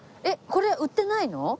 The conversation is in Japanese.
えっこれ売ってないの？